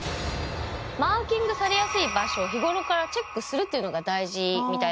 マーキングされやすい場所を日頃からチェックするというのが大事みたいなんですけど。